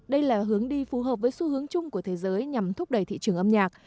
đây là hướng đi phù hợp với xu hướng chung của thế giới nhằm thúc đẩy thị trường âm nhạc